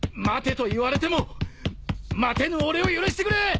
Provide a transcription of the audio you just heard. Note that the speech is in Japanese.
待てと言われても待てぬ俺を許してくれ！